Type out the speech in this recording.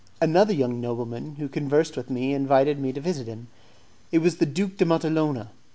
Another young nobleman, who conversed with me, invited me to visit him. It was the Duke de Matalona.